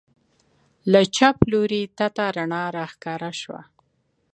له چپ لوري تته رڼا راښکاره سوه.